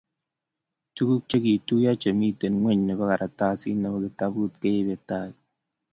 Tuguk chigituiyo chemiten ingweny nebo karatasit nebo kitabut keibe tai---